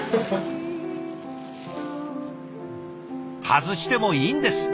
外してもいいんです。